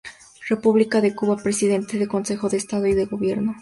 República de Cuba, Presidente del Consejo de Estado y de Gobierno.